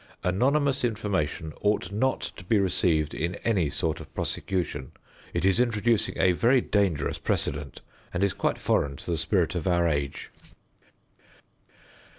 Anonymous information ought not to be received in any sort of prosecution. It is introducing a very dangerous precedent, and is quite foreign to the spirit of our age.